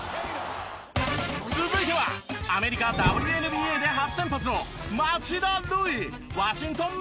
続いてはアメリカＷＮＢＡで初先発の。